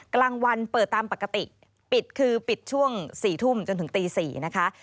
กลางวันเปิดตามปกติปิดคือปิดช่วง๔ทุ่มจนถึงตี๔นะคะ